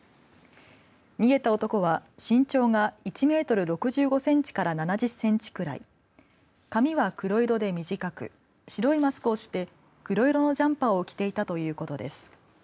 逃げた男は身長が１メートル６５センチから７０センチくらい髪は黒色で短く白いマスクをして黒色のジャンパーを着ていたということです。